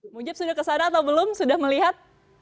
mujib sudah ke sana atau belum sudah melihat